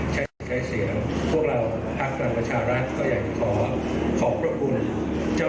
ใช้ใช้เสียพวกเราภาครังประชารัฐก็อยากจะขอขอบคุณเจ้า